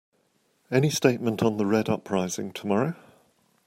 Any statement on the Red uprising tomorrow?